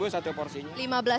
lima belas satu porsinya